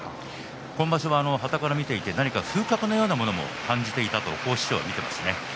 今場所ははたから見ていて風格のようなものも感じていたと師匠は言っていました。